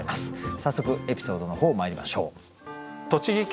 早速エピソードの方まいりましょう。